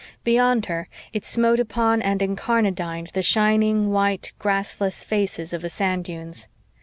Beyond her, it smote upon and incarnadined the shining, white, grassless faces of the sand dunes.